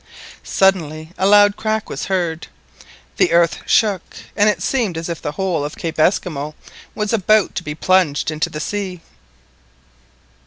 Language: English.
Suddenly a loud crack was heard. The earth shook, and it seemed as if the whole of Cape Esquimaux were about to be plunged into the sea.